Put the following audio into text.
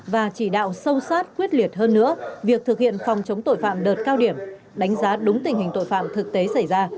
và chỉ đạo sâu sát quyết liệt hơn nữa việc thực hiện phòng chống tội phạm đợt cao điểm đánh giá đúng tình hình tội phạm thực tế xảy ra